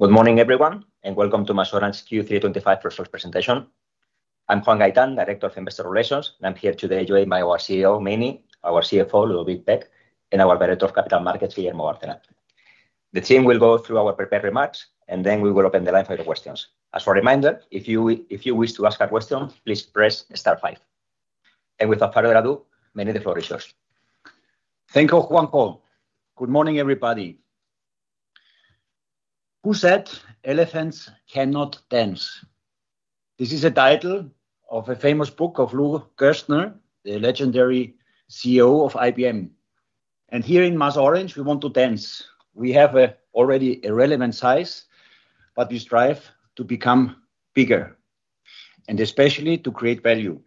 Good morning, everyone, and welcome to MasOrange Q3 2025 first half presentation. I'm Juan Gaitán, Director of Investor Relations, and I'm here today to join my CEO, Meinrad, our CFO, Ludovic Pech, and our Director of Capital Markets, Guillermo Bárcena. The team will go through our prepared remarks, and then we will open the line for your questions. As a reminder, if you wish to ask a question, please press star five. And without further ado, Meinrad, the floor is yours. Thank you, Juan Pablo. Good morning, everybody. Who said elephants cannot dance? This is a title of a famous book of Lou Gerstner, the legendary CEO of IBM, and here in MasOrange, we want to dance. We have already a relevant size, but we strive to become bigger and especially to create value,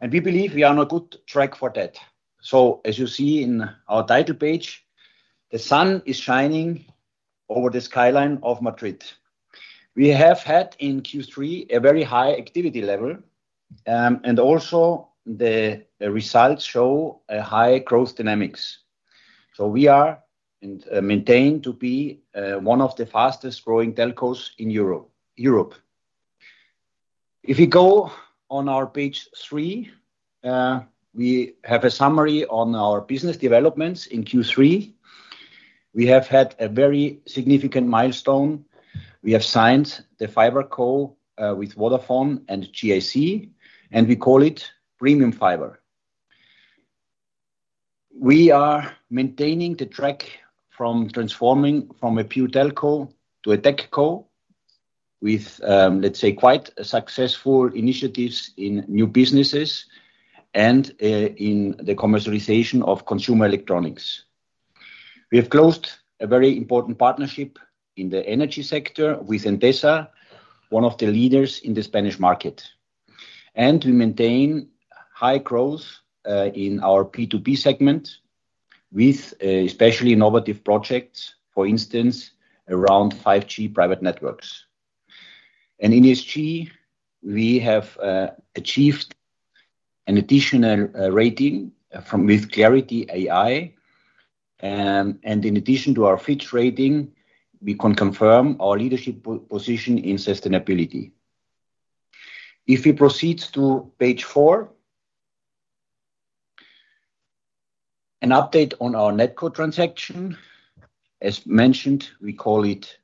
and we believe we are on a good track for that, so as you see in our title page, the sun is shining over the skyline of Madrid. We have had in Q3 a very high activity level, and also the results show a high growth dynamics, so we are maintained to be one of the fastest growing telcos in Europe. If we go on our page three, we have a summary on our business developments in Q3. We have had a very significant milestone. We have signed the FiberCo with Vodafone and GIC, and we call it premium fiber. We are maintaining the track from transforming from a pure telco to a TechCo with, let's say, quite successful initiatives in new businesses and in the commercialization of consumer electronics. We have closed a very important partnership in the energy sector with Endesa, one of the leaders in the Spanish market. And we maintain high growth in our B2B segment with especially innovative projects, for instance, around 5G private networks. And in ESG, we have achieved an additional rating with Clarity AI. And in addition to our ESG rating, we can confirm our leadership position in sustainability. If we proceed to page four, an update on our NetCo transaction. As mentioned, we call it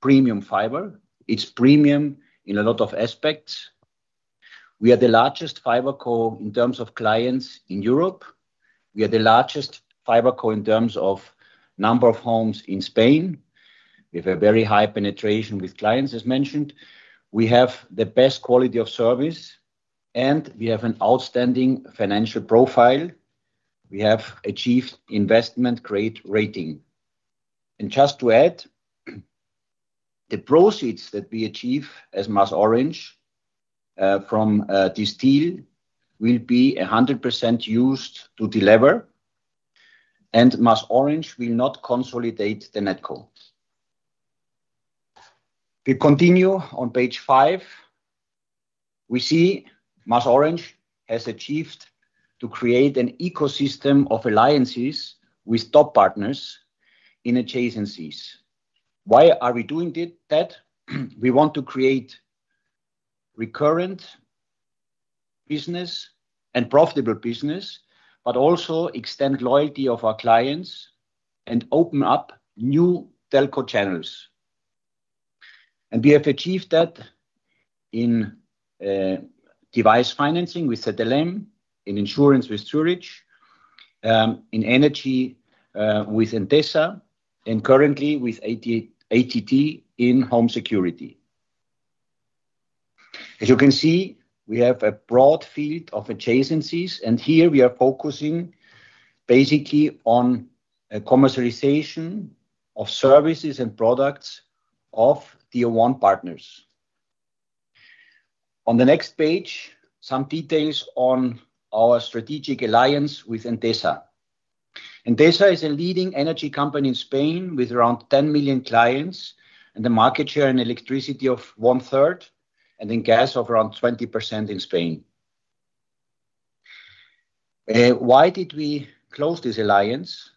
premium fiber. It's premium in a lot of aspects. We are the largest FiberCo in terms of clients in Europe. We are the largest FiberCo in terms of number of homes in Spain. We have a very high penetration with clients, as mentioned. We have the best quality of service, and we have an outstanding financial profile. We have achieved investment grade rating, and just to add, the proceeds that we achieve as MasOrange from this deal will be 100% used to deliver, and MasOrange will not consolidate the net debt. We continue on page five. We see MasOrange has achieved to create an ecosystem of alliances with top partners in adjacencies. Why are we doing that? We want to create recurrent business and profitable business, but also extend loyalty of our clients and open up new telco channels. We have achieved that in device financing with Cetelem, in insurance with Zurich, in energy with Endesa, and currently with ADT in home security. As you can see, we have a broad field of adjacencies, and here we are focusing basically on a commercialization of services and products of tier one partners. On the next page, some details on our strategic alliance with Endesa. Endesa is a leading energy company in Spain with around 10 million clients and a market share in electricity of one third and in gas of around 20% in Spain. Why did we close this alliance?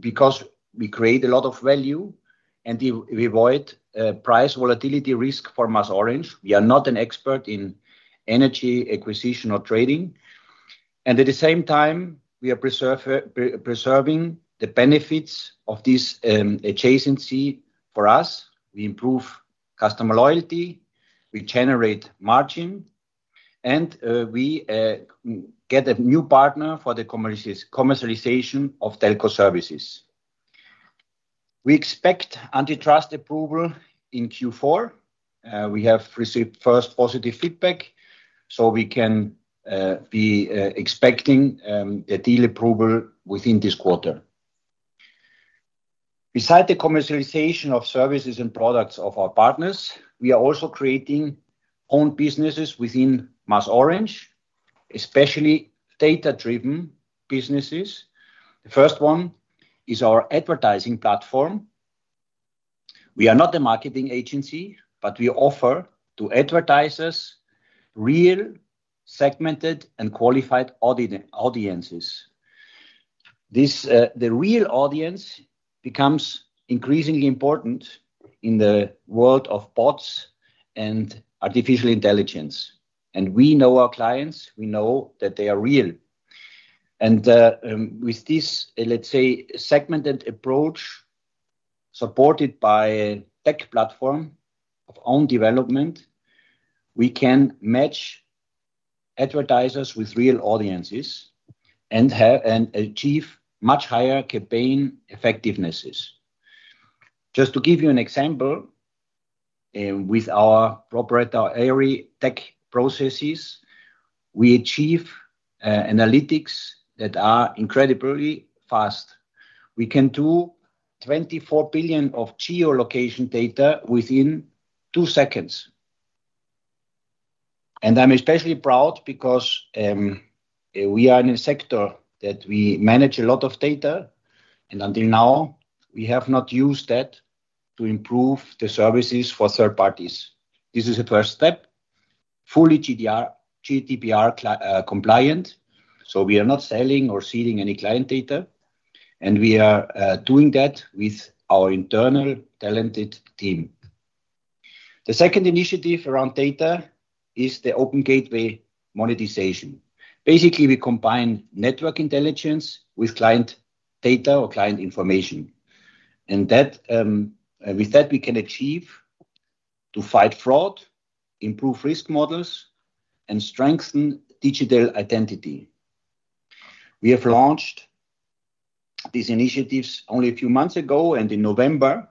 Because we create a lot of value and we avoid price volatility risk for MasOrange. We are not an expert in energy acquisition or trading, and at the same time, we are preserving the benefits of this adjacency for us. We improve customer loyalty, we generate margin, and we get a new partner for the commercialization of telco services. We expect antitrust approval in Q4. We have received first positive feedback, so we can be expecting a deal approval within this quarter. Besides the commercialization of services and products of our partners, we are also creating own businesses within MasOrange, especially data-driven businesses. The first one is our advertising platform. We are not a marketing agency, but we offer to advertisers real segmented and qualified audiences. The real audience becomes increasingly important in the world of bots and artificial intelligence, and we know our clients. We know that they are real, and with this, let's say, segmented approach supported by a tech platform of own development, we can match advertisers with real audiences and achieve much higher campaign effectivenesses. Just to give you an example, with our proprietary tech processes, we achieve analytics that are incredibly fast. We can do 24 billion of geolocation data within two seconds, and I'm especially proud because we are in a sector that we manage a lot of data, and until now, we have not used that to improve the services for third parties. This is a first step, fully GDPR compliant, so we are not selling or seeding any client data, and we are doing that with our internal talented team. The second initiative around data is the Open Gateway monetization. Basically, we combine network intelligence with client data or client information, and with that, we can achieve to fight fraud, improve risk models, and strengthen digital identity. We have launched these initiatives only a few months ago and in November.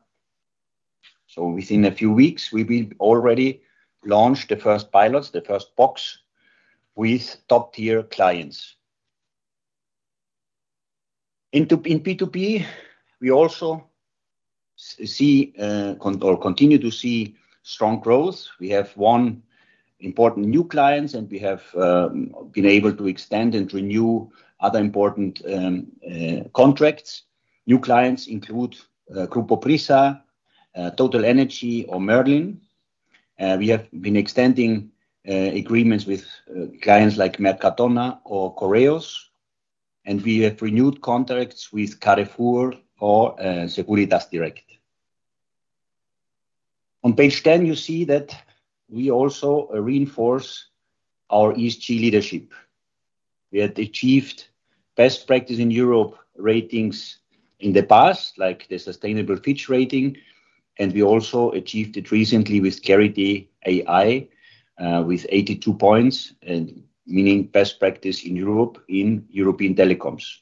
Within a few weeks, we will already launch the first pilots, the first box with top-tier clients. In B2B, we also see or continue to see strong growth. We have won important new clients, and we have been able to extend and renew other important contracts. New clients include Grupo Prisa, TotalEnergies, or Merlin. We have been extending agreements with clients like Mercadona or Correos, and we have renewed contracts with Carrefour or Securitas Direct. On page 10, you see that we also reinforce our ESG leadership. We had achieved best practice in Europe ratings in the past, like the Sustainable Fitch rating, and we also achieved it recently with Clarity AI with 82 points, meaning best practice in Europe in European telecoms.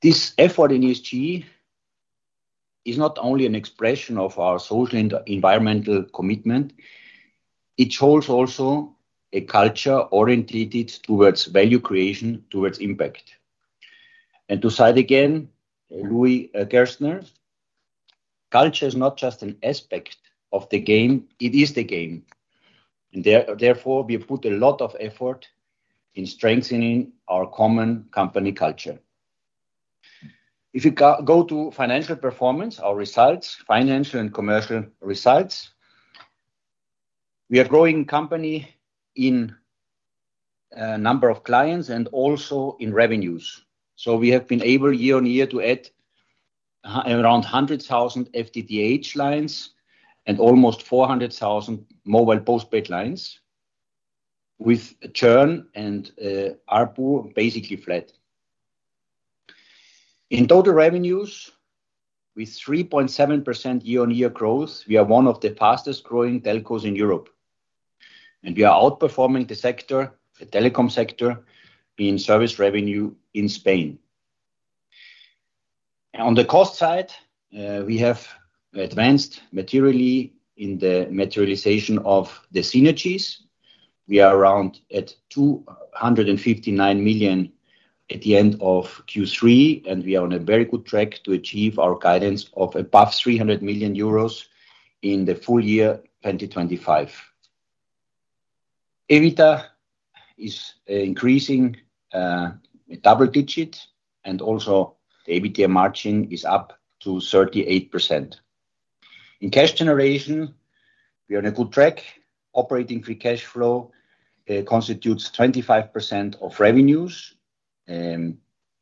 This effort in ESG is not only an expression of our social and environmental commitment. It shows also a culture oriented towards value creation, towards impact. To cite again Lou Gerstner, culture is not just an aspect of the game, it is the game. Therefore, we put a lot of effort in strengthening our common company culture. If you go to financial performance, our results, financial and commercial results, we are a growing company in number of clients and also in revenues. We have been able year on year to add around 100,000 FTTH lines and almost 400,000 mobile postpaid lines with churn and ARPU basically flat. In total revenues, with 3.7% year-on-year growth, we are one of the fastest growing telcos in Europe. We are outperforming the telecom sector in service revenue in Spain. On the cost side, we have advanced materially in the materialization of the synergies. We are around at 259 million at the end of Q3, and we are on a very good track to achieve our guidance of above 300 million euros in the full year 2025. EBITDA is increasing double-digit, and also the EBITDA margin is up to 38%. In cash generation, we are on a good track. Operating free cash flow constitutes 25% of revenues,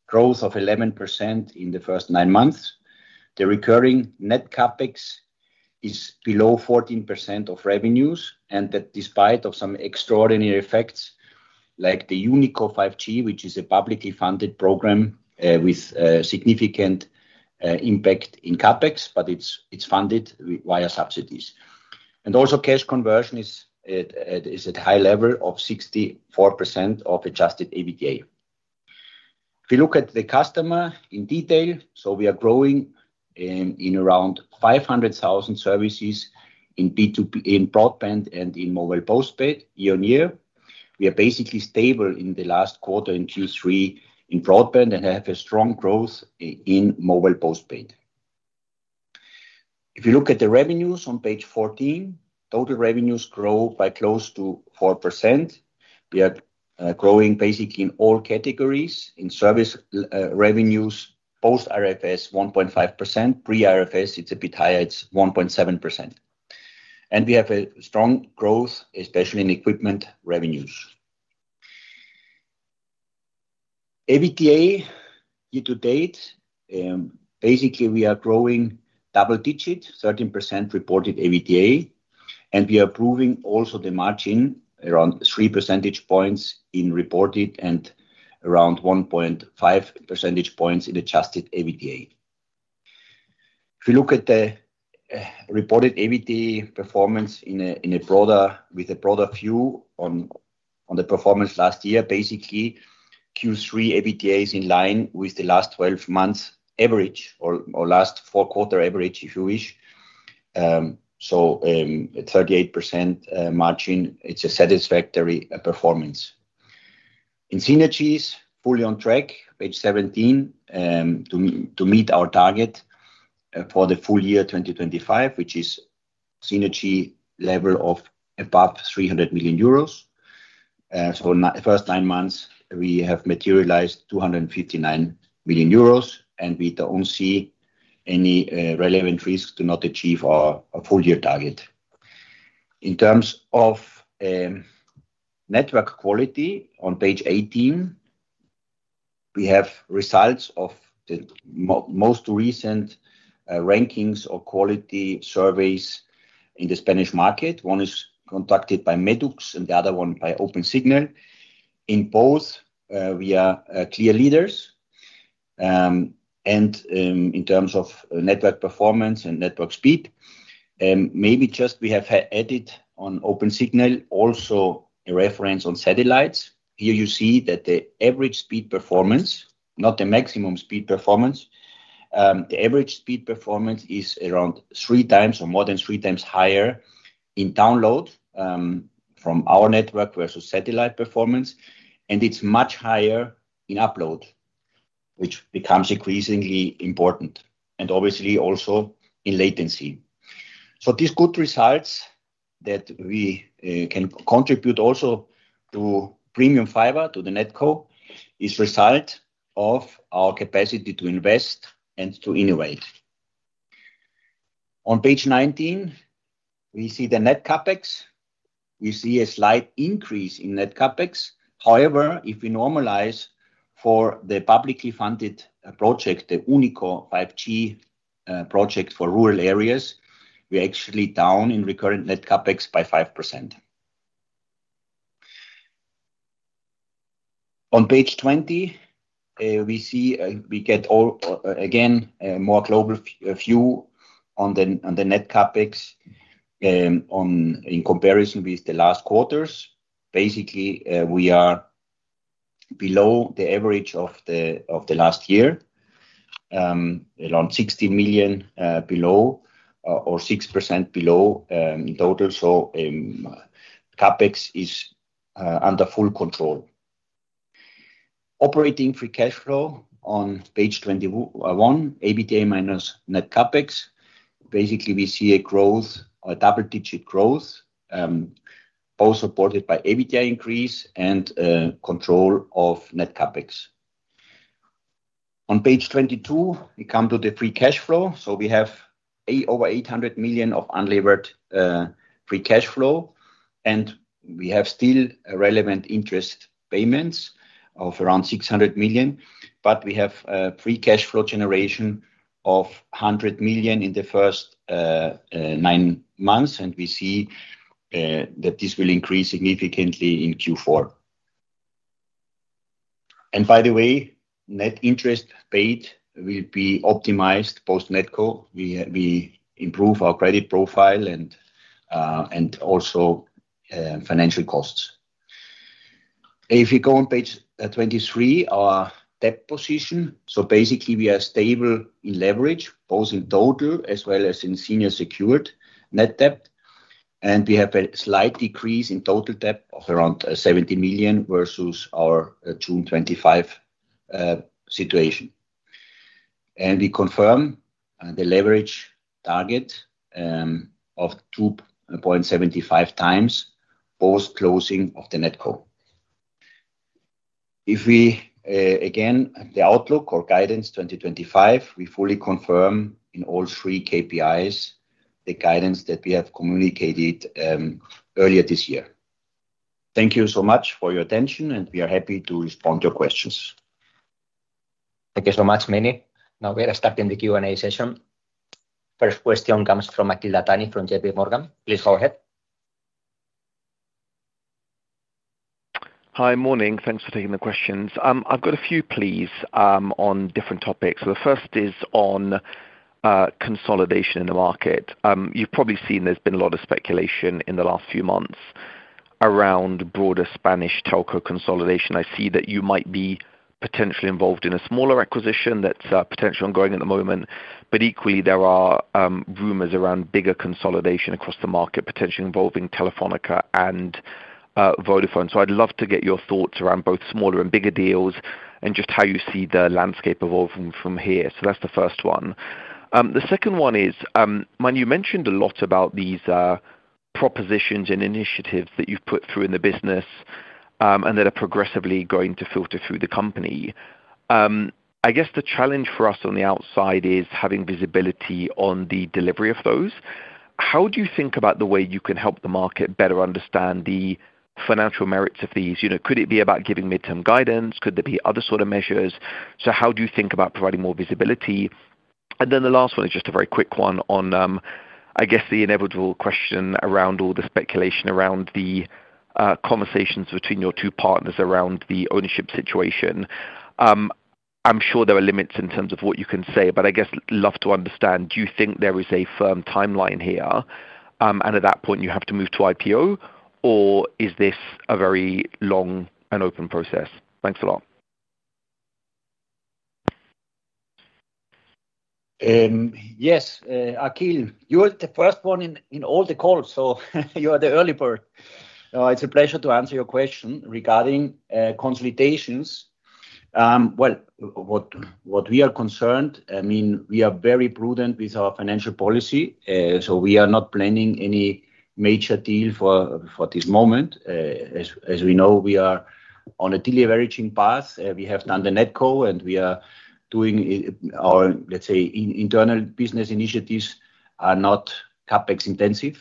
growth of 11% in the first nine months. The recurring net CapEx is below 14% of revenues, and that despite some extraordinary effects like the UNICO 5G, which is a publicly funded program with significant impact in CapEx, but it's funded via subsidies, and also cash conversion is at a high level of 64% of adjusted EBITDA. If you look at the customer in detail, so we are growing in around 500,000 services in broadband and in mobile postpaid year-on-year. We are basically stable in the last quarter in Q3 in broadband and have a strong growth in mobile postpaid. If you look at the revenues on page 14, total revenues grow by close to 4%. We are growing basically in all categories. In service revenues, post-RFS, 1.5%. Pre-RFS, it's a bit higher. It's 1.7%. And we have a strong growth, especially in equipment revenues. EBITDA year-to-date, basically we are growing double-digit, 13% reported EBITDA, and we are improving also the margin around 3 percentage points in reported and around 1.5 percentage points in adjusted EBITDA. If you look at the reported EBITDA performance with a broader view on the performance last year, basically Q3 EBITDA is in line with the last 12 months average or last four-quarter average, if you wish, so 38% margin, it's a satisfactory performance. In synergies, fully on track, page 17 to meet our target for the full year 2025, which is synergy level of above 300 million euros. So first nine months, we have materialized 259 million euros, and we don't see any relevant risks to not achieve our full year target. In terms of network quality, on page 18, we have results of the most recent rankings or quality surveys in the Spanish market. One is conducted by MedUX and the other one by Opensignal. In both, we are clear leaders. And in terms of network performance and network speed, maybe just we have added on Opensignal also a reference on satellites. Here you see that the average speed performance, not the maximum speed performance, the average speed performance is around 3x or more than 3x higher in download from our network versus satellite performance, and it's much higher in upload, which becomes increasingly important and obviously also in latency. So these good results that we can contribute also to premium fiber to the NetCo is a result of our capacity to invest and to innovate. On page 19, we see the net CapEx. We see a slight increase in net CapEx. However, if we normalize for the publicly funded project, the UNICO 5G project for rural areas, we are actually down in recurrent net CapEx by 5%. On page 20, we see we get again a more global view on the net CapEx in comparison with the last quarters. Basically, we are below the average of the last year, around 16 million below or 6% below total, so CapEx is under full control. Operating free cash flow on page 21, EBITDA minus net CapEx. Basically we see a double-digit growth, both supported by EBITDA increase and control of net CapEx. On page 22, we come to the free cash flow, so we have over 800 million of unlevered free cash flow, and we have still relevant interest payments of around 600 million, but we have free cash flow generation of 100 million in the first nine months, and we see that this will increase significantly in Q4, and by the way, net interest paid will be optimized post-NetCo. We improve our credit profile and also financial costs. If you go on page 23, our debt position, so basically we are stable in leverage, both in total as well as in senior secured net debt, and we have a slight decrease in total debt of around 70 million versus our June 2025 situation, and we confirm the leverage target of 2.75x post-closing of the NetCo. If we again, the outlook or guidance 2025, we fully confirm in all three KPIs the guidance that we have communicated earlier this year. Thank you so much for your attention, and we are happy to respond to your questions. Thank you so much, Meinrad. Now we are starting the Q&A session. First question comes from Akhil Dattani from JPMorgan. Please go ahead. Hi, morning. Thanks for taking the questions. I've got a few plays on different topics. The first is on consolidation in the market. You've probably seen there's been a lot of speculation in the last few months around broader Spanish telco consolidation. I see that you might be potentially involved in a smaller acquisition that's potentially ongoing at the moment, but equally, there are rumors around bigger consolidation across the market, potentially involving Telefónica and Vodafone. So I'd love to get your thoughts around both smaller and bigger deals and just how you see the landscape evolve from here. So that's the first one. The second one is, mind you, you mentioned a lot about these propositions and initiatives that you've put through in the business and that are progressively going to filter through the company. I guess the challenge for us on the outside is having visibility on the delivery of those. How do you think about the way you can help the market better understand the financial merits of these? Could it be about giving midterm guidance? Could there be other sort of measures? So how do you think about providing more visibility? And then the last one is just a very quick one on, I guess, the inevitable question around all the speculation around the conversations between your two partners around the ownership situation. I'm sure there are limits in terms of what you can say, but I guess I'd love to understand, do you think there is a firm timeline here? And at that point, you have to move to IPO, or is this a very long and open process? Thanks a lot. Yes, Akhil, you're the first one in all the calls, so you are the early bird. It's a pleasure to answer your question regarding consolidations. What we are concerned, I mean, we are very prudent with our financial policy, so we are not planning any major deal for this moment. As we know, we are on a delivery path. We have done the NetCo, and we are doing our, let's say, internal business initiatives are not CapEx intensive,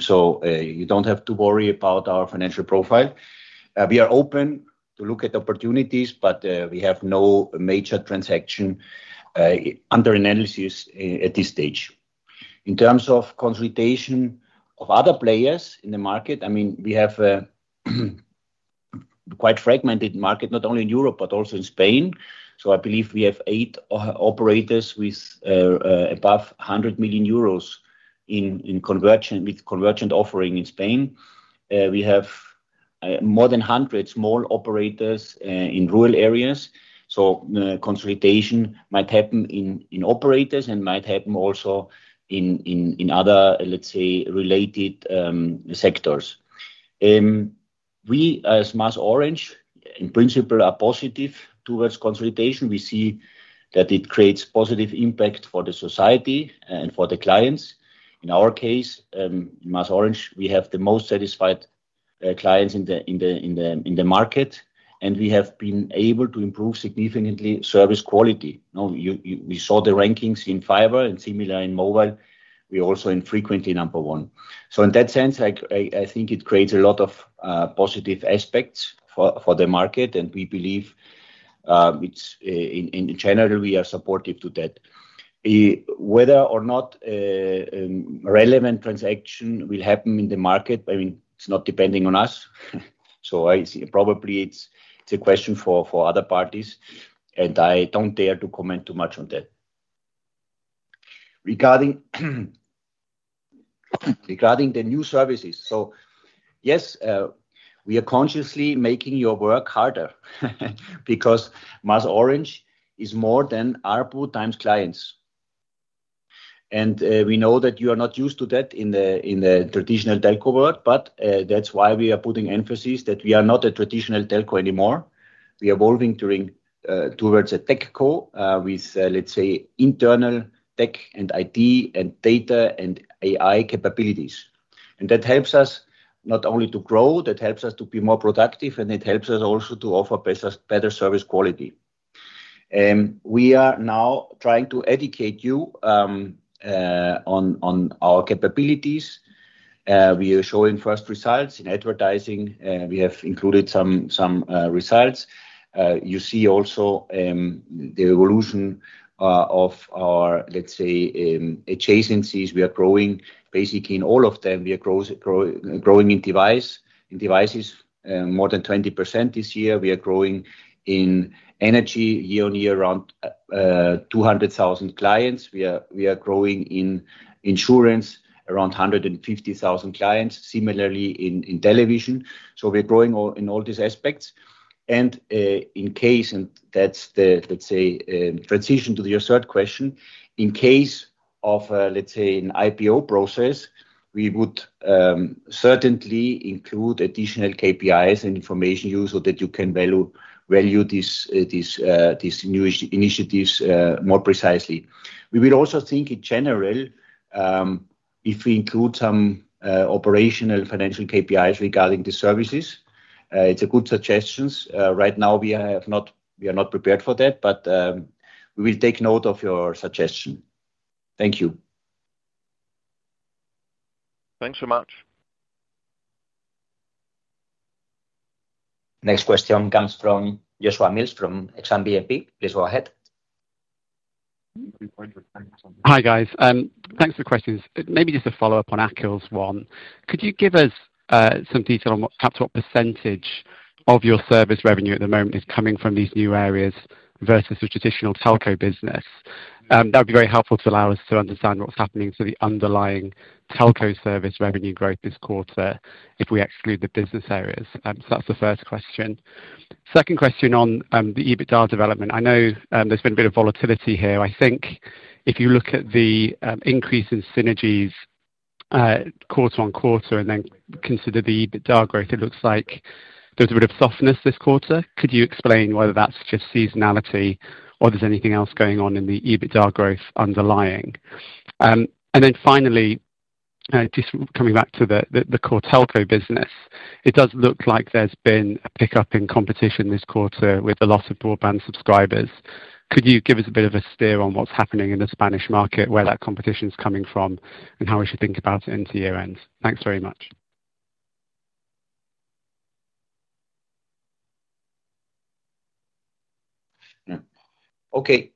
so you don't have to worry about our financial profile. We are open to look at opportunities, but we have no major transaction under analysis at this stage. In terms of consolidation of other players in the market, I mean, we have a quite fragmented market, not only in Europe, but also in Spain. So I believe we have eight operators with above 100 million euros in convergent offering in Spain. We have more than hundreds of small operators in rural areas, so consolidation might happen in operators and might happen also in other, let's say, related sectors. We, as MasOrange, in principle, are positive towards consolidation. We see that it creates positive impact for the society and for the clients. In our case, MasOrange, we have the most satisfied clients in the market, and we have been able to improve significantly service quality. We saw the rankings in fiber and similar in mobile. We also frequently number one. So in that sense, I think it creates a lot of positive aspects for the market, and we believe in general, we are supportive to that. Whether or not relevant transaction will happen in the market, I mean, it's not depending on us. So I see probably it's a question for other parties, and I don't dare to comment too much on that. Regarding the new services, so yes, we are consciously making your work harder because MasOrange is more than our pool of clients. And we know that you are not used to that in the traditional telco world, but that's why we are putting emphasis that we are not a traditional telco anymore. We are evolving towards a TechCo with, let's say, internal tech and IT and data and AI capabilities. And that helps us not only to grow, that helps us to be more productive, and it helps us also to offer better service quality. We are now trying to educate you on our capabilities. We are showing first results in advertising. We have included some results. You see also the evolution of our, let's say, adjacencies. We are growing basically in all of them. We are growing in devices, more than 20% this year. We are growing in energy year on year around 200,000 clients. We are growing in insurance around 150,000 clients. Similarly, in television. So we're growing in all these aspects, and in case, and that's the, let's say, transition to your third question, in case of, let's say, an IPO process, we would certainly include additional KPIs and information use so that you can value these new initiatives more precisely. We will also think in general if we include some operational financial KPIs regarding the services. It's a good suggestion. Right now, we are not prepared for that, but we will take note of your suggestion. Thank you. Thanks so much. Next question comes from Joshua Mills from Exane BNP. Please go ahead. Hi, guys. Thanks for the questions. Maybe just a follow-up on Akhil's one. Could you give us some detail on perhaps what percentage of your service revenue at the moment is coming from these new areas versus the traditional telco business? That would be very helpful to allow us to understand what's happening to the underlying telco service revenue growth this quarter if we exclude the business areas. So that's the first question. Second question on the EBITDA development. I know there's been a bit of volatility here. I think if you look at the increase in synergies quarter on quarter and then consider the EBITDA growth, it looks like there's a bit of softness this quarter. Could you explain whether that's just seasonality or there's anything else going on in the EBITDA growth underlying? And then finally, just coming back to the core telco business, it does look like there's been a pickup in competition this quarter with a lot of broadband subscribers. Could you give us a bit of a steer on what's happening in the Spanish market, where that competition is coming from, and how we should think about it into year end? Thanks very much. Okay.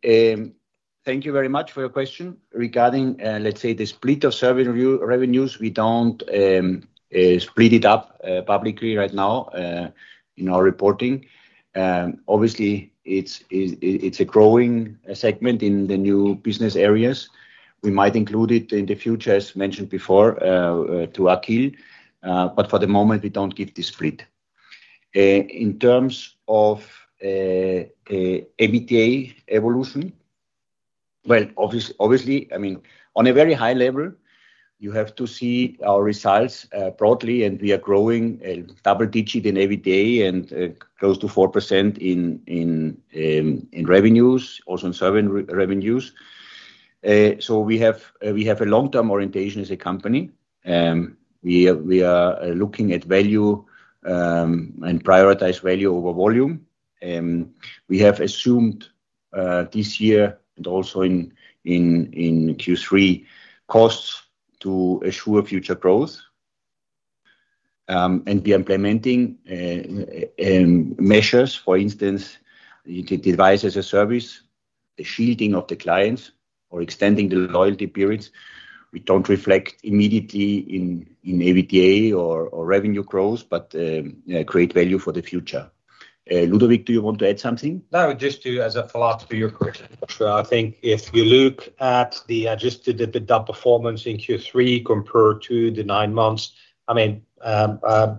Thank you very much for your question. Regarding, let's say, the split of service revenues, we don't split it up publicly right now in our reporting. Obviously, it's a growing segment in the new business areas. We might include it in the future, as mentioned before to Akhil, but for the moment, we don't give this split. In terms of EBITDA evolution, well, obviously, I mean, on a very high level, you have to see our results broadly, and we are growing double-digit in EBITDA and close to 4% in revenues, also in service revenues, so we have a long-term orientation as a company. We are looking at value and prioritize value over volume. We have assumed this year and also in Q3 costs to assure future growth, and we are implementing measures, for instance, devices as a service, the shielding of the clients, or extending the loyalty periods. We don't reflect immediately in EBITDA or revenue growth, but create value for the future. Ludovic, do you want to add something? No, just as a follow-up to your question. I think if you look at the adjusted EBITDA performance in Q3 compared to the nine months, I mean,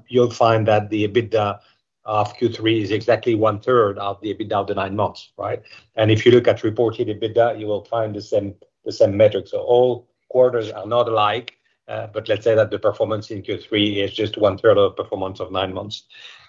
you'll find that the EBITDA of Q3 is exactly one-third of the EBITDA of the nine months, right? And if you look at reported EBITDA, you will find the same metrics. So all quarters are not alike, but let's say that the performance in Q3 is just one-third of the performance of nine months.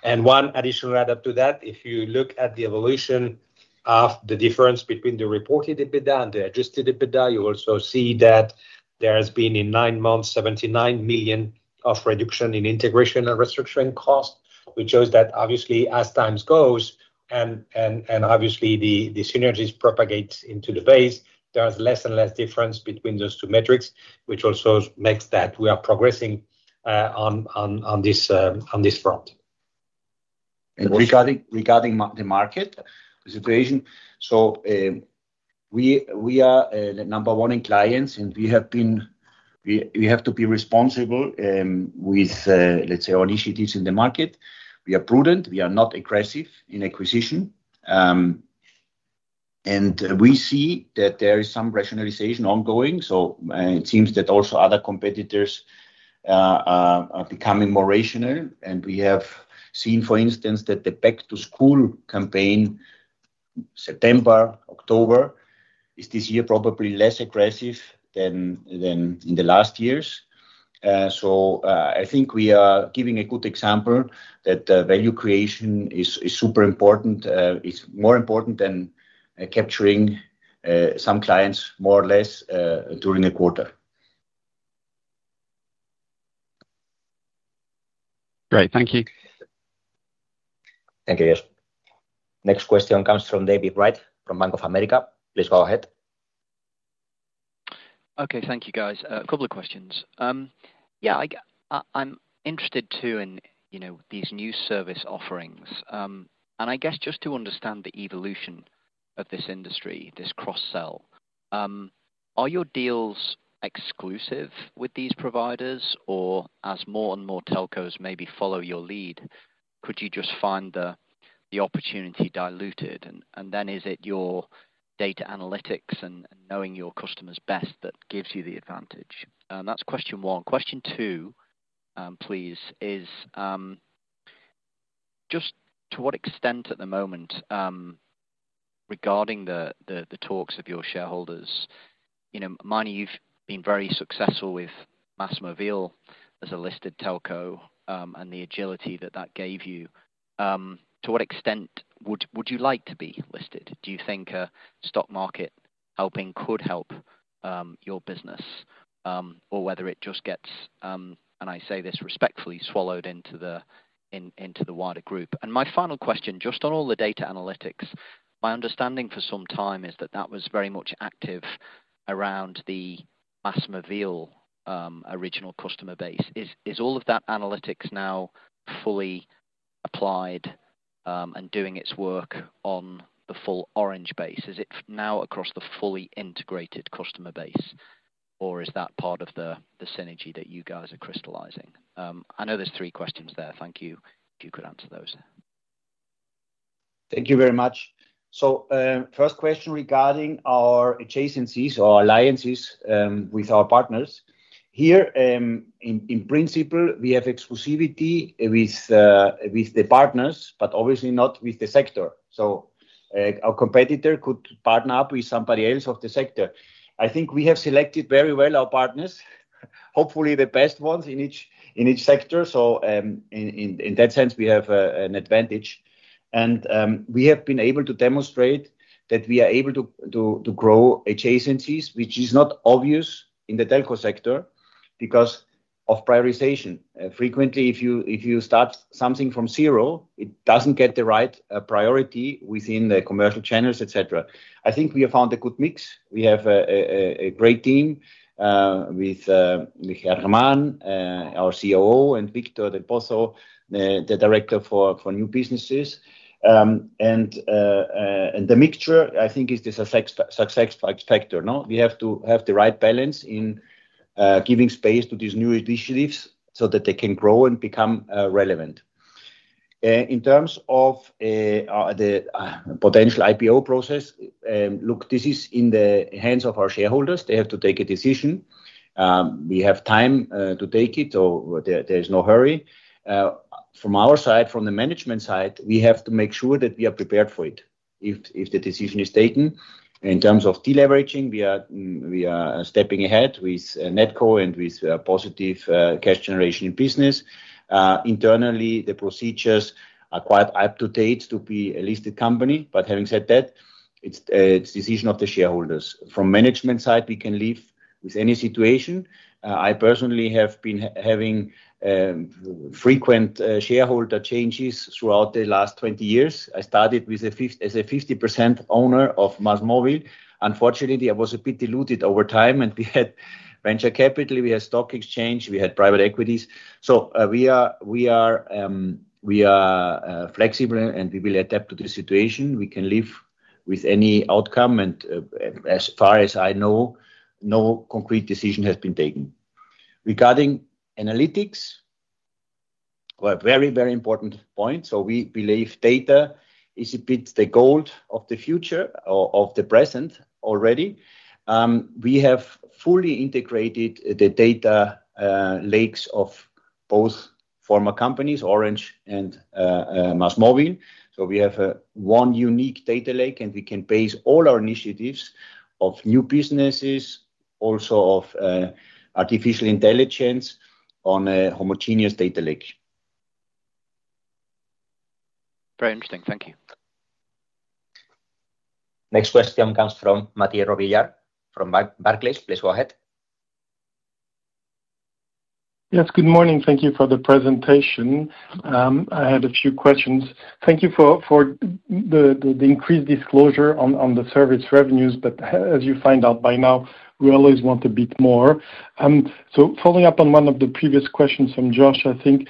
And one additional add up to that, if you look at the evolution of the difference between the reported EBITDA and the adjusted EBITDA, you also see that there has been in nine months 79 million of reduction in integration and restructuring cost, which shows that obviously as time goes and obviously the synergies propagate into the base, there is less and less difference between those two metrics, which also makes that we are progressing on this front. Regarding the market, the situation, so we are number one in clients, and we have to be responsible with, let's say, our initiatives in the market. We are prudent. We are not aggressive in acquisition, and we see that there is some rationalization ongoing, so it seems that also other competitors are becoming more rational, and we have seen, for instance, that the back-to-school campaign, September, October, is this year probably less aggressive than in the last years, so I think we are giving a good example that value creation is super important. It's more important than capturing some clients more or less during the quarter. Great. Thank you. Thank you. Next question comes from David Wright from Bank of America. Please go ahead. Okay. Thank you, guys. A couple of questions. Yeah, I'm interested too in these new service offerings. I guess just to understand the evolution of this industry, this cross-sell, are your deals exclusive with these providers? Or as more and more telcos maybe follow your lead, could you just find the opportunity diluted? Is it your data analytics and knowing your customers best that gives you the advantage? That's question one. Question two, please, is just to what extent at the moment regarding the talks of your shareholders, mind you, you've been very successful with MasOrange as a listed telco and the agility that that gave you. To what extent would you like to be listed? Do you think a stock market helping could help your business or whether it just gets, and I say this respectfully, swallowed into the wider group? My final question, just on all the data analytics, my understanding for some time is that that was very much active around the MasOrange original customer base. Is all of that analytics now fully applied and doing its work on the full Orange base? Is it now across the fully integrated customer base, or is that part of the synergy that you guys are crystallizing? I know there's three questions there. Thank you if you could answer those. Thank you very much. First question regarding our adjacencies or alliances with our partners. Here, in principle, we have exclusivity with the partners, but obviously not with the sector. So our competitor could partner up with somebody else of the sector. I think we have selected very well our partners, hopefully the best ones in each sector. So in that sense, we have an advantage. We have been able to demonstrate that we are able to grow adjacencies, which is not obvious in the telco sector because of prioritization. Frequently, if you start something from zero, it doesn't get the right priority within the commercial channels, etc. I think we have found a good mix. We have a great team with, our COO, and Victor Del Pozo, the director for new businesses. And the mixture, I think, is the success factor. We have to have the right balance in giving space to these new initiatives so that they can grow and become relevant. In terms of the potential IPO process, look, this is in the hands of our shareholders. They have to take a decision. We have time to take it, so there is no hurry. From our side, from the management side, we have to make sure that we are prepared for it if the decision is taken. In terms of deleveraging, we are stepping ahead with NetCo and with positive cash generation in business. Internally, the procedures are quite up to date to be a listed company. But having said that, it's the decision of the shareholders. From management side, we can live with any situation. I personally have been having frequent shareholder changes throughout the last 20 years. I started as a 50% owner of MasOrange. Unfortunately, I was a bit diluted over time, and we had venture capital, we had stock exchange, we had private equities. So we are flexible, and we will adapt to the situation. We can live with any outcome. As far as I know, no concrete decision has been taken. Regarding analytics, a very, very important point. So we believe data is a bit the gold of the future or of the present already. We have fully integrated the data lakes of both former companies, Orange and MasOrange. So we have one unique data lake, and we can base all our initiatives of new businesses, also of artificial intelligence on a homogeneous data lake. Very interesting. Thank you. Next question comes from Mathieu Robilliard from Barclays. Please go ahead. Yes, good morning. Thank you for the presentation. I had a few questions. Thank you for the increased disclosure on the service revenues. But as you find out by now, we always want a bit more. So following up on one of the previous questions from Josh, I think,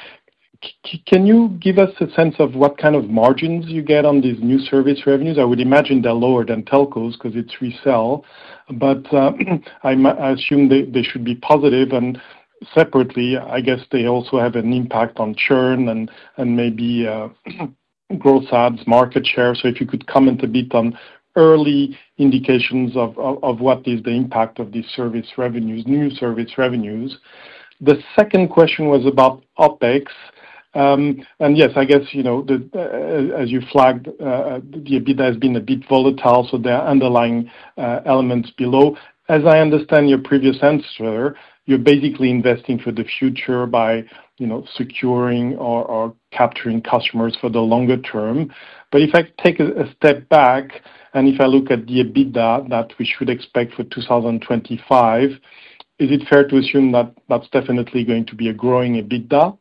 can you give us a sense of what kind of margins you get on these new service revenues? I would imagine they're lower than telcos because it's resell. But I assume they should be positive. And separately, I guess they also have an impact on churn and maybe gross ads market share. So if you could comment a bit on early indications of what is the impact of these new service revenues? The second question was about OpEx. And yes, I guess as you flagged, the EBITDA has been a bit volatile, so there are underlying elements below. As I understand your previous answer, you're basically investing for the future by securing or capturing customers for the longer term. But if I take a step back and if I look at the EBITDA that we should expect for 2025, is it fair to assume that that's definitely going to be a growing EBITDA?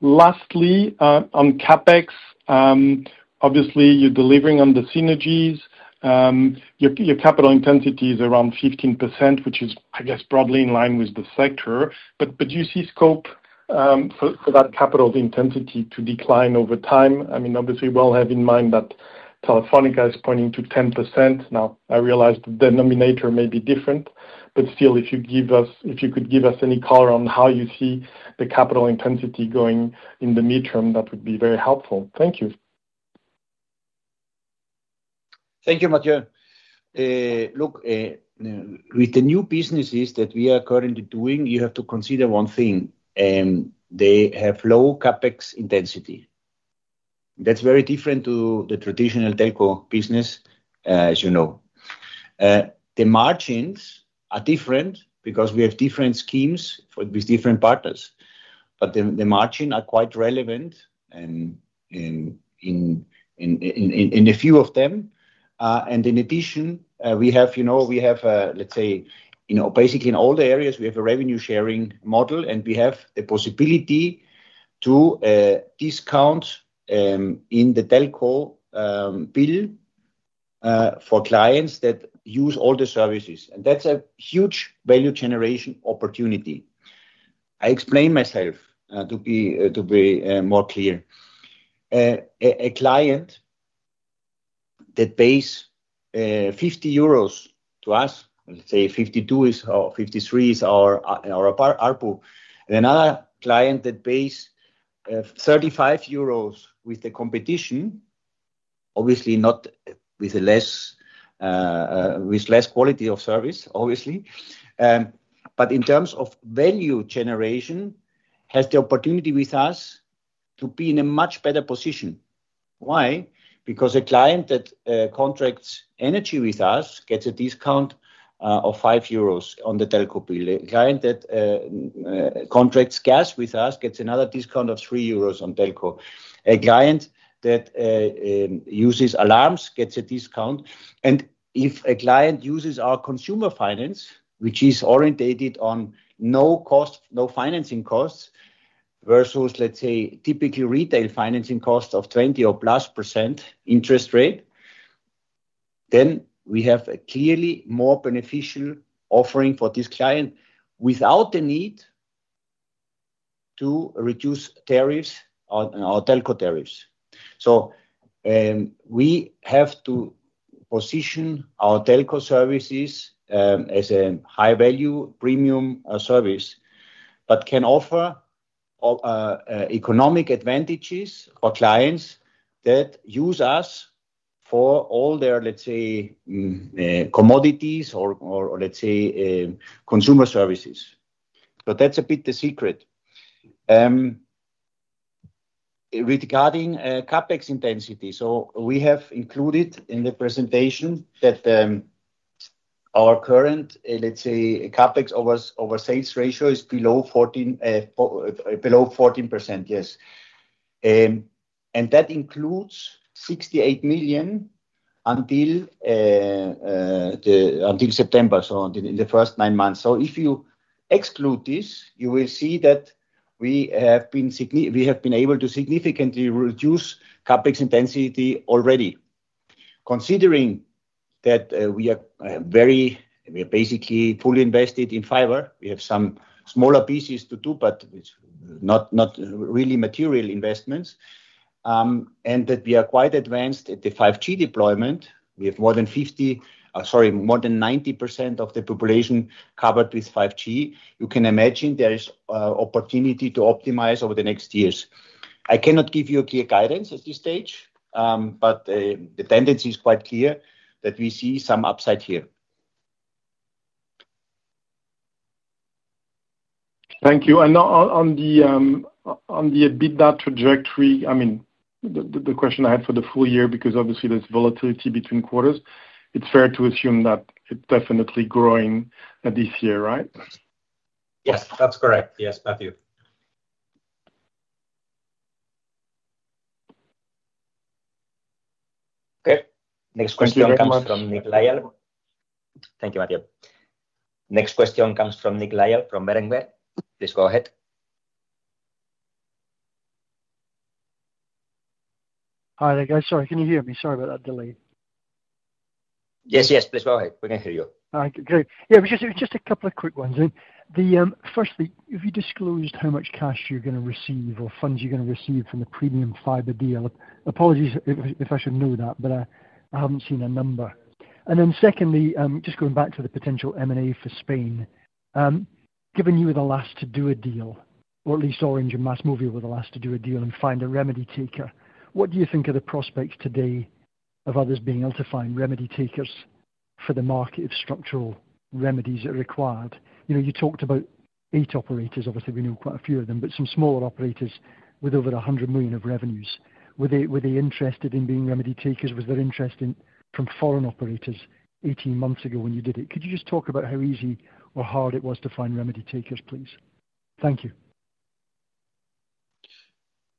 Lastly, on CapEx, obviously, you're delivering on the synergies. Your capital intensity is around 15%, which is, I guess, broadly in line with the sector. But do you see scope for that capital intensity to decline over time? I mean, obviously, we all have in mind that Telefónica is pointing to 10%. Now, I realize the denominator may be different. But still, if you could give us any color on how you see the capital intensity going in the midterm, that would be very helpful. Thank you. Thank you Mathieu. Look, with the new businesses that we are currently doing, you have to consider one thing. They have low CapEx intensity. That's very different to the traditional telco business, as you know. The margins are different because we have different schemes with different partners. But the margins are quite relevant in a few of them. In addition, we have a, let's say, basically in all the areas, we have a revenue-sharing model, and we have the possibility to discount in the telco bill for clients that use all the services. That's a huge value-generation opportunity. I explain myself to be more clear. A client that pays 50 euros to us, let's say 52 or 53 is our ARPU, and another client that pays 35 euros with the competition, obviously not with less quality of service, obviously. But in terms of value generation, has the opportunity with us to be in a much better position. Why? Because a client that contracts energy with us gets a discount of 5 euros on the telco bill. A client that contracts gas with us gets another discount of 3 euros on telco. A client that uses alarms gets a discount. If a client uses our consumer finance, which is orientated on no financing costs versus, let's say, typically retail financing costs of 20% or plus interest rate, then we have a clearly more beneficial offering for this client without the need to reduce tariffs or telco tariffs. We have to position our telco services as a high-value premium service but can offer economic advantages for clients that use us for all their, let's say, commodities or, let's say, consumer services. That's a bit the secret. Regarding CapEx intensity, we have included in the presentation that our current, let's say, CapEx over sales ratio is below 14%, yes. That includes 68 million until September, so in the first nine months. If you exclude this, you will see that we have been able to significantly reduce CapEx intensity already. Considering that we are basically fully invested in fiber, we have some smaller pieces to do, but not really material investments, and that we are quite advanced at the 5G deployment, we have more than 50%, sorry, more than 90% of the population covered with 5G, you can imagine there is opportunity to optimize over the next years. I cannot give you a clear guidance at this stage, but the tendency is quite clear that we see some upside here. Thank you. And on the EBITDA trajectory, I mean, the question I had for the full year because obviously there's volatility between quarters, it's fair to assume that it's definitely growing this year, right? Yes, that's correct. Yes, Mathieu. Okay. Next question comes from Nick Lyle. Thank you, Mathieu. Next question comes from Nick Lyle from Berenberg. Please go ahead. Hi, there you go. Sorry, can you hear me? Sorry about that delay. Yes, yes. Please go ahead. We can hear you. All right. Great. Yeah, just a couple of quick ones. Firstly, if you disclosed how much cash you're going to receive or funds you're going to receive from the premium fiber deal, apologies if I should know that, but I haven't seen a number. And then secondly, just going back to the potential M&A for Spain, given you were the last to do a deal, or at least Orange and MasOrange were the last to do a deal and find a remedy taker, what do you think are the prospects today of others being able to find remedy takers for the market of structural remedies that are required? You talked about eight operators. Obviously, we know quite a few of them, but some smaller operators with over 100 million of revenues. Were they interested in being remedy takers? Was there interest from foreign operators 18 months ago when you did it? Could you just talk about how easy or hard it was to find remedy takers, please? Thank you.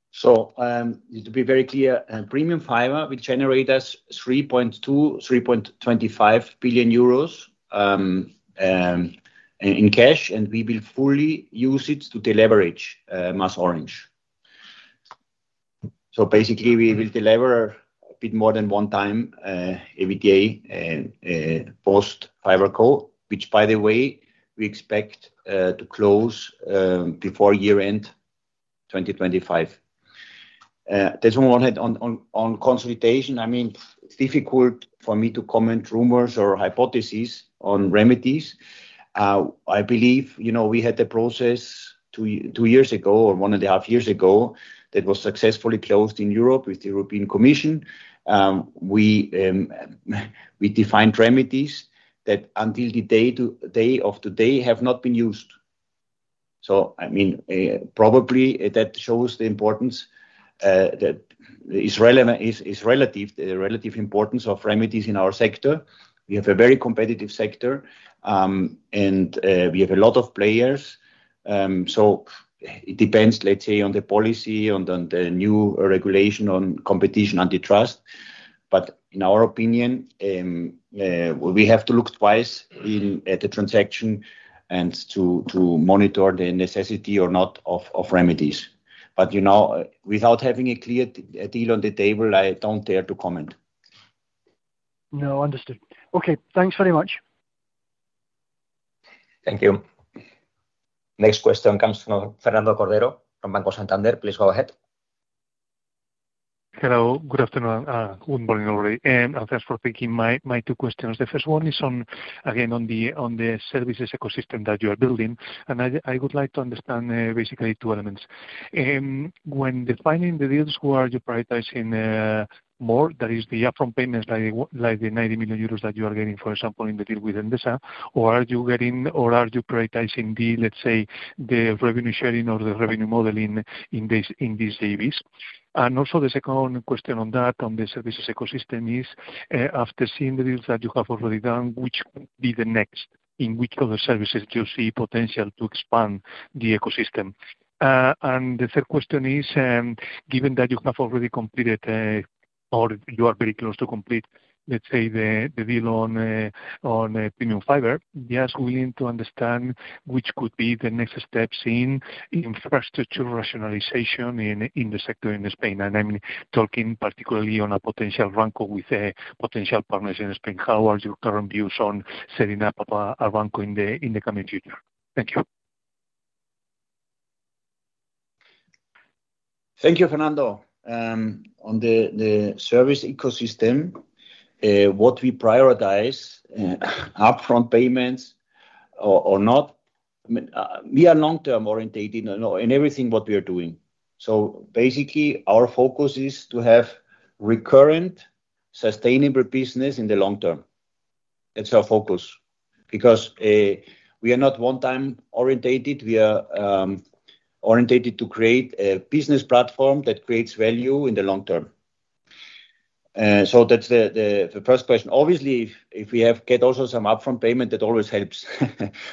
So to be very clear, premium fiber will generate us 3.2 billion-3.25 billion euros in cash, and we will fully use it to deleverage MasOrange. So basically, we will deliver a bit more than one time every day post-FiberCo, which, by the way, we expect to close before year-end 2025. There's one more on consolidation. I mean, it's difficult for me to comment rumors or hypotheses on remedies. I believe we had a process two years ago or one and a half years ago that was successfully closed in Europe with the European Commission. We defined remedies that until the day of today have not been used. So I mean, probably that shows the importance that is relative, the relative importance of remedies in our sector. We have a very competitive sector, and we have a lot of players. So it depends, let's say, on the policy, on the new regulation on competition antitrust. But in our opinion, we have to look twice at the transaction and to monitor the necessity or not of remedies. But without having a clear deal on the table, I don't dare to comment. No, understood. Okay. Thanks very much. Thank you. Next question comes from Fernando Cordero from Banco Santander. Please go ahead. Hello. Good afternoon. Good morning already. Thanks for taking my two questions. The first one is, again, on the services ecosystem that you are building. And I would like to understand basically two elements. When defining the deals, who are you prioritizing more? That is the upfront payments like the 90 million euros that you are getting, for example, in the deal with Endesa, or are you getting or are you prioritizing the, let's say, the revenue sharing or the revenue modeling in these JVs? And also the second question on that, on the services ecosystem is, after seeing the deals that you have already done, which would be the next? In which other services do you see potential to expand the ecosystem? And the third question is, given that you have already completed or you are very close to complete, let's say, the deal on premium fiber, just willing to understand which could be the next steps in infrastructure rationalization in the sector in Spain? And I'm talking particularly on a potential RanCo with potential partners in Spain. How are your current views on setting up a RANCo in the coming future? Thank you. Thank you, Fernando. On the service ecosystem, what we prioritize, upfront payments or not, we are long-term orientated in everything what we are doing. So basically, our focus is to have recurrent, sustainable business in the long term. That's our focus because we are not one-time orientated. We are orientated to create a business platform that creates value in the long term. So that's the first question. Obviously, if we get also some upfront payment, that always helps.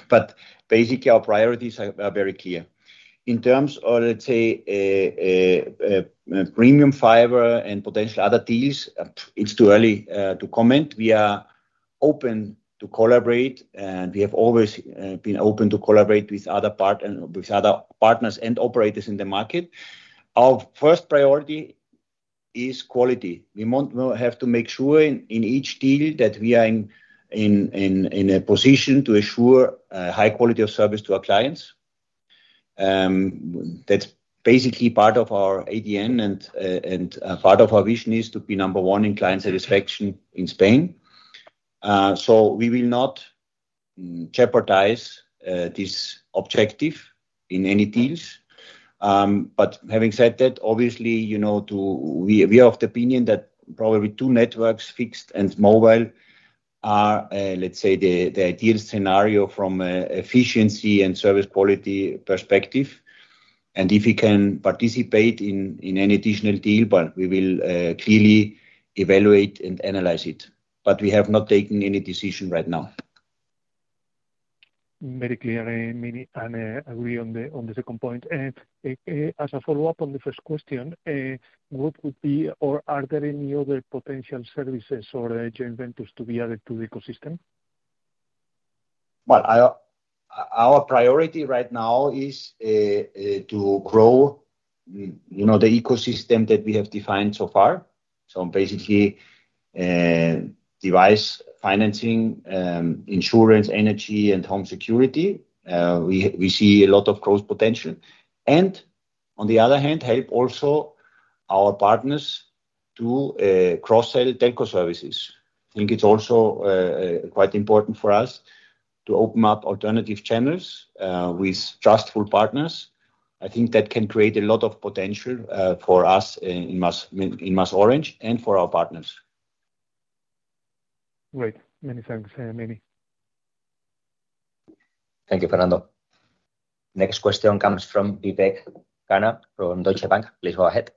But basically, our priorities are very clear. In terms of, let's say, premium fiber and potential other deals, it's too early to comment. We are open to collaborate, and we have always been open to collaborate with other partners and operators in the market. Our first priority is quality. We have to make sure in each deal that we are in a position to assure high quality of service to our clients. That's basically part of our ADN, and part of our vision is to be number one in client satisfaction in Spain, so we will not jeopardize this objective in any deals, but having said that, obviously, we are of the opinion that probably two networks, fixed and mobile, are, let's say, the ideal scenario from an efficiency and service quality perspective, and if we can participate in any additional deal, we will clearly evaluate and analyze it, but we have not taken any decision right now. Very clear. I agree on the second point, and as a follow-up on the first question, what would be or are there any other potential services or joint ventures to be added to the ecosystem? Our priority right now is to grow the ecosystem that we have defined so far. Basically, device financing, insurance, energy, and home security. We see a lot of growth potential. On the other hand, help also our partners to cross-sell telco services. I think it's also quite important for us to open up alternative channels with trustful partners. I think that can create a lot of potential for us in MasOrange and for our partners. Great. Many thanks, Meinrad. Thank you, Fernando. Next question comes from Vivek Khanna from Deutsche Bank. Please go ahead.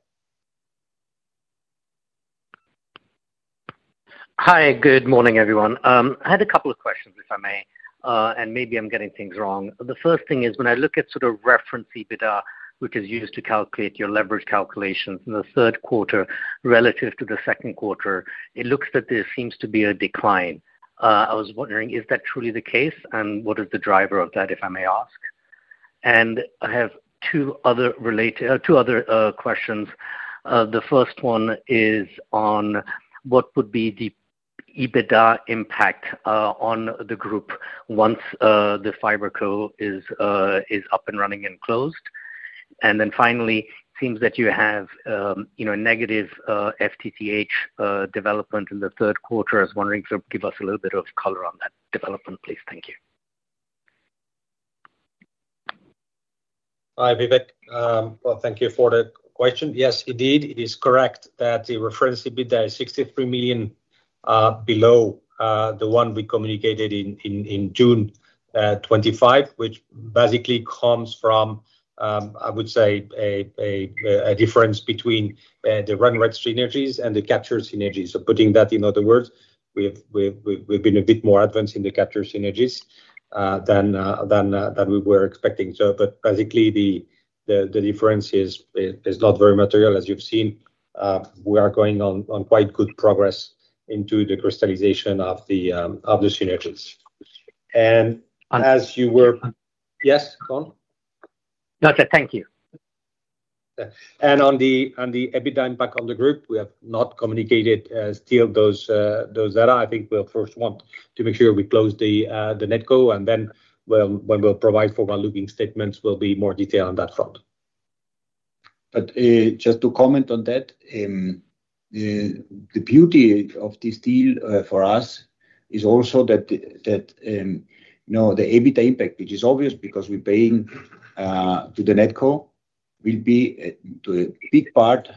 Hi. Good morning, everyone. I had a couple of questions, if I may, and maybe I'm getting things wrong. The first thing is, when I look at sort of reference EBITDA, which is used to calculate your leverage calculations in the third quarter relative to the second quarter, it looks like there seems to be a decline. I was wondering, is that truly the case, and what is the driver of that, if I may ask? And I have two other questions. The first one is on what would be the EBITDA impact on the group once the fiberCo is up and running and closed. And then finally, it seems that you have a negative FTTH development in the third quarter. I was wondering if you could give us a little bit of color on that development, please. Thank you. Hi, Vivek. Well, thank you for the question. Yes, indeed, it is correct that the reference EBITDA is 63 million below the one we communicated in June 2025, which basically comes from, I would say, a difference between the run rate synergies and the capture synergies. So putting that in other words, we've been a bit more advanced in the capture synergies than we were expecting. But basically, the difference is not very material, as you've seen. We are going on quite good progress into the crystallization of the synergies. And as you were, yes, go on. Gotcha. Thank you. And on the EBITDA impact on the group, we have not communicated still those data. I think we'll first want to make sure we close the NetCo, and then when we'll provide forward-looking statements, we'll be more detailed on that front. But just to comment on that, the beauty of this deal for us is also that the EBITDA impact, which is obvious because we're paying to the NetCo, will be to a big part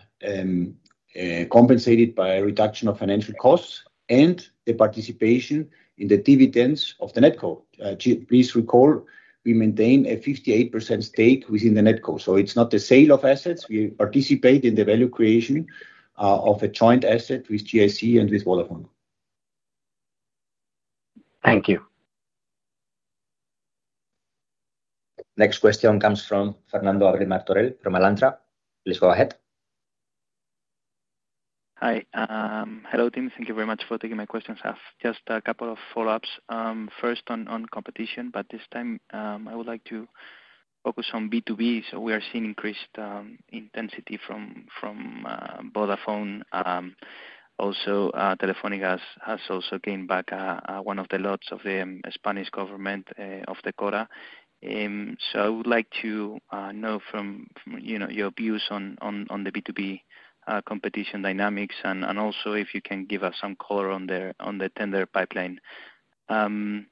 compensated by a reduction of financial costs and the participation in the dividends of the NetCo. Please recall, we maintain a 58% stake within the NetCo. So it's not the sale of assets. We participate in the value creation of a joint asset with GIC and with Vodafone. Thank you. Next question comes from Fernando Abril-Martorell from Alantra. Please go ahead. Hi. Hello, team. Thank you very much for taking my questions. I have just a couple of follow-ups. First, on competition, but this time, I would like to focus on B2B. So we are seeing increased intensity from Vodafone. Also, Telefónica has also gained back one of the lots of the Spanish government of the CORA. So I would like to know from your views on the B2B competition dynamics and also if you can give us some color on the tender pipeline. And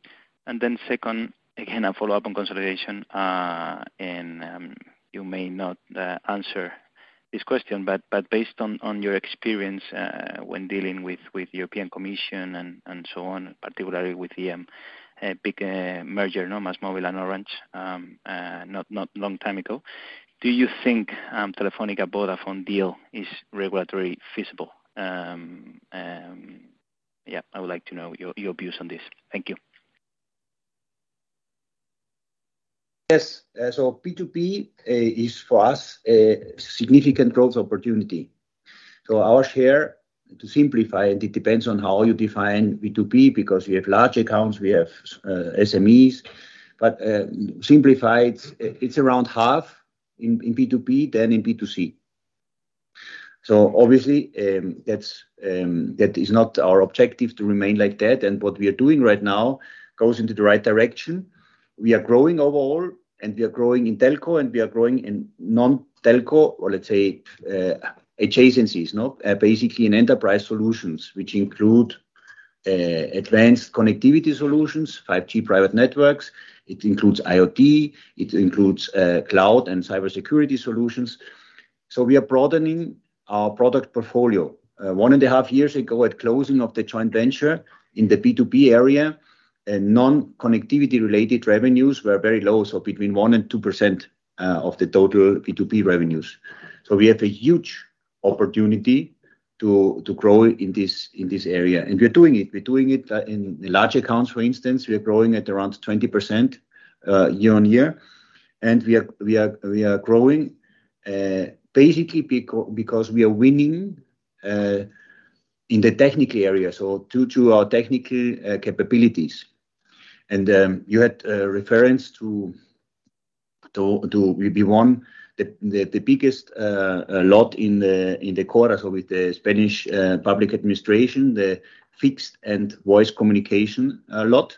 then second, again, a follow-up on consolidation. And you may not answer this question, but based on your experience when dealing with the European Commission and so on, particularly with EM, big merger, MasOrange and Orange, not a long time ago, do you think Telefónica-Vodafone deal is regulatory feasible? Yeah, I would like to know your views on this. Thank you. Yes. So B2B is, for us, a significant growth opportunity. So our share, to simplify, and it depends on how you define B2B because we have large accounts, we have SMEs. But simplified, it's around half in B2B than in B2C. So obviously, that is not our objective to remain like that. And what we are doing right now goes into the right direction. We are growing overall, and we are growing in telco, and we are growing in non-telco or, let's say, adjacencies, basically in enterprise solutions, which include advanced connectivity solutions, 5G private networks. It includes IoT. It includes cloud and cybersecurity solutions. So we are broadening our product portfolio. One and a half years ago, at closing of the joint venture in the B2B area, non-connectivity-related revenues were very low, so between 1% and 2% of the total B2B revenues. So we have a huge opportunity to grow in this area. And we're doing it. We're doing it in large accounts. For instance, we are growing at around 20% year on year. We are growing basically because we are winning in the technical area, so due to our technical capabilities. You had reference to be one, the biggest lot in the CORA, so with the Spanish public administration, the fixed and voice communication lot.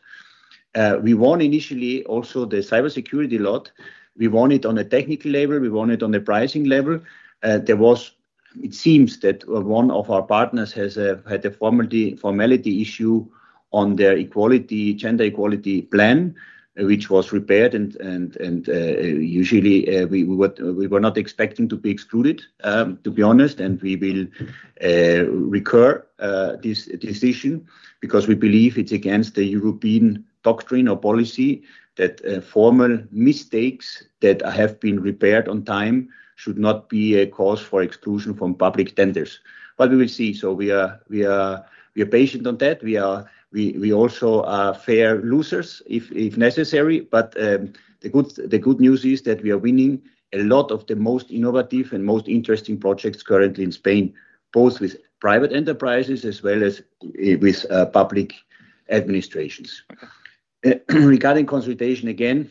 We won initially also the cybersecurity lot. We won it on a technical level. We won it on the pricing level. It seems that one of our partners has had a formality issue on their gender equality plan, which was repaired. Usually, we were not expecting to be excluded, to be honest. We will recur this decision because we believe it's against the European doctrine or policy that formal mistakes that have been repaired on time should not be a cause for exclusion from public tenders. We will see. We are patient on that. We also are fair losers if necessary. But the good news is that we are winning a lot of the most innovative and most interesting projects currently in Spain, both with private enterprises as well as with public administrations. Regarding consolidation, again,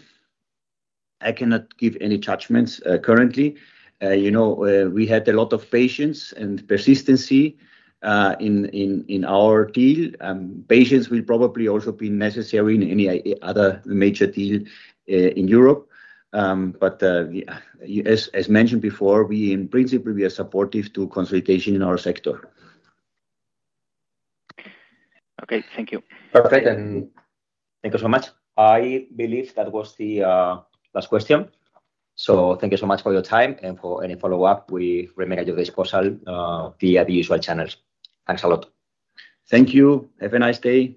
I cannot give any judgments currently. We had a lot of patience and persistency in our deal. Patience will probably also be necessary in any other major deal in Europe. But as mentioned before, in principle, we are supportive to consolidation in our sector. Okay. Thank you. Perfect. And thank you so much. I believe that was the last question. So thank you so much for your time. And for any follow-up, we remain at your disposal via the usual channels. Thanks a lot. Thank you. Have a nice day.